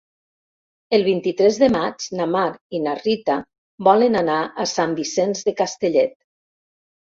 El vint-i-tres de maig na Mar i na Rita volen anar a Sant Vicenç de Castellet.